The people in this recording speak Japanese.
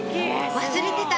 忘れてた！